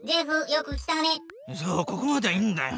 そうここまではいいんだよ。